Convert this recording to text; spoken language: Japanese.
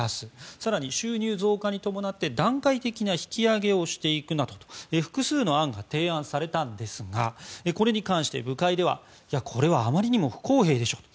更に、収入増加に伴って段階的な引き上げをしていくなど複数の案が提案されたんですがこれに対して部会ではこれはあまりにも不公平でしょと。